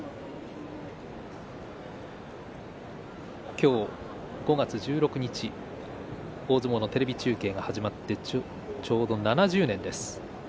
今日、５月１６日大相撲のテレビ中継が始まってちょうど７０年です。